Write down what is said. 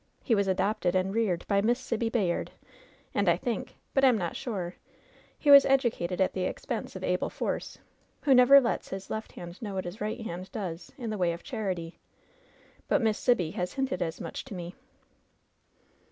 He was adopted and reared by Miss Sibby Bayard, and I think, but am not sure, he was educated at the expense of Abel Force, who never letft iis left hand know what his right hand does in the way of charity. But Miss Sibby has hinted as mnch to me.'